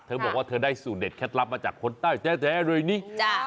เธอบอกว่าเธอได้สูตรเด็ดเคล็ดลับมาจากคนใต้แท้เลยนี่